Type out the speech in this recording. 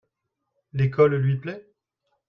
L'école lui plait ?